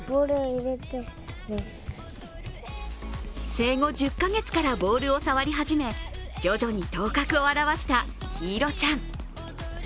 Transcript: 生後１０か月からボールを触り始め徐々に頭角を現した緋彩ちゃん。